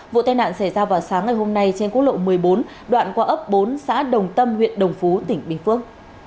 vụ tai nạn xảy ra vào sáng ngày hôm nay trên quốc lộ một mươi bốn đoạn qua ấp bốn xã đồng tâm huyện đồng phú tỉnh bình phước